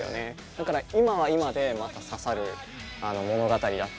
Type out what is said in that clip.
だから今は今でまた刺さる物語だったり。